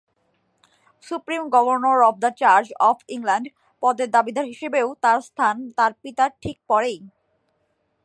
Supreme governor of the church of England পদের দাবিদার হিসেবেও তার স্থান তার পিতার ঠিক পরেই।